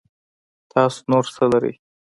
تاسو نور څه لرئ